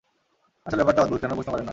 আসলে ব্যাপারটা অদ্ভুত, কেন প্রশ্ন করেননা?